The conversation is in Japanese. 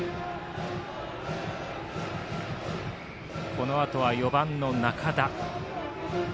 このあとは４番の仲田。